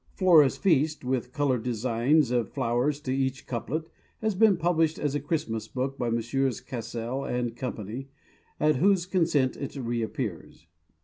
"Flora's Feast," with coloured designs of the flowers to each couplet, has been published as a Christmas book by Messrs. Cassell and Co., at whose consent it re appears.